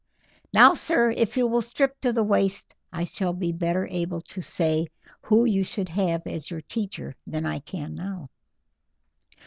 "Now, sir, if you will strip to the waist I shall be better able to say who you should have as your teacher than I can now."